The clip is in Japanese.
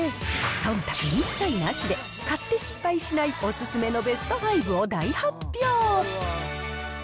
そんたく一切なしで、買って失敗しないおすすめのベスト５を大発表。